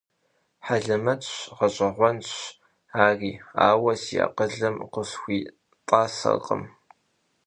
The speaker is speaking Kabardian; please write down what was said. Хьэлэмэтщ, гъэщӀэгъуэнщ ари, ауэ си акъылым къысхуитӀасэркъым.